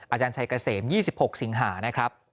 อาจารย์ชัยเกษม๒๖สิงหานะครับ